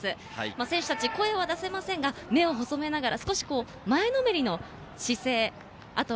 選手たち、声は出せませんが目を細めながら、少し前のめりの姿勢。